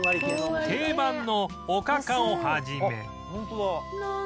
定番のおかかを始め